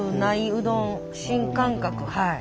うどん新感覚はい。